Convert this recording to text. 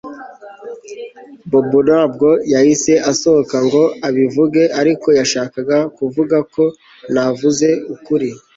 Bobo ntabwo yahise asohoka ngo abivuge ariko yashakaga kuvuga ko ntavuze ukuri